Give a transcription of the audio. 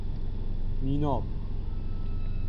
میناب